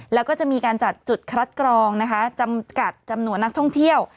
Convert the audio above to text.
แล้วก็จะมีการจัดจุดคัดกรองนะคะจำกัดจำนวนนักท่องเที่ยว